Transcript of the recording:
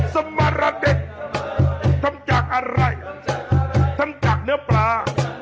ทำจากอะไรทำจากเนื้อปลา